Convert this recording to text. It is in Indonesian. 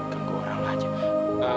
kan kurang saja